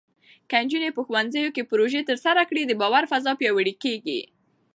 که نجونې په ښوونځي کې پروژې ترسره کړي، د باور فضا پیاوړې کېږي.